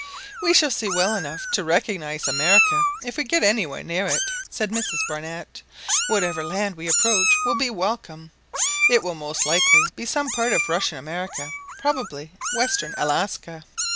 "We shall see well enough to recognise America, if we get anywhere near it," said Mrs Barnett. "Whatever land we approach will be welcome. It will most likely be some part of Russian America—probably Western Alaska."